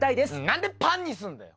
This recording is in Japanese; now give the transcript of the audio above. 何でパンにすんだよ！